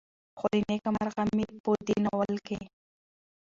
خو له نيکه مرغه مې په دې ناول کې